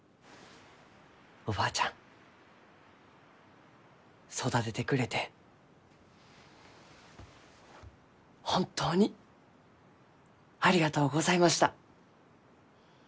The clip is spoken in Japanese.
おばあちゃん育ててくれて本当にありがとうございました。